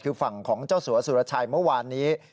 คือฝั่งของเจ้าสัวสุรชัยเมื่อวานนี้